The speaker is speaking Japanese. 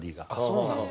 そうなんだ。